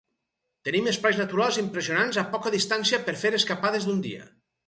Tenim espais naturals impressionants a poca distància per fer escapades d'un dia.